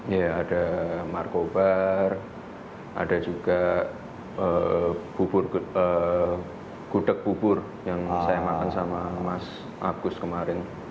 ya ada markobar ada juga gudeg bubur yang saya makan sama mas agus kemarin